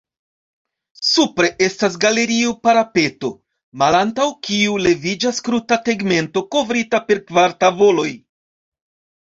Supre estas galerio-parapeto, malantaŭ kiu leviĝas kruta tegmento kovrita per kvar tavoloj.